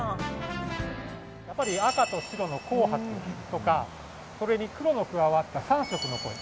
やっぱり赤と白の紅白とかそれに黒の加わった３色のコイ。